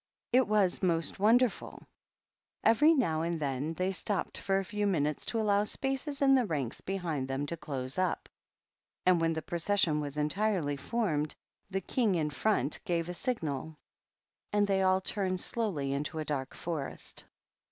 It was most wonderfiiL Every now and then they stopped for a few minutfis to allow spaces in the rants behind them to close up ; and when the procession was entirely formed, the King in front gave a signal, and they THE PAGEANT. 806 THE PAGEANT. all turned slowly into a dark forest.